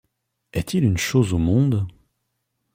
Est-il une chose au monde